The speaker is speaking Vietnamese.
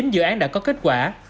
ba mươi chín dự án đã có kết quả